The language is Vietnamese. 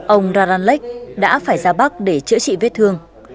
ông ra lan lech đã phải ra bắc để chữa trị vết thương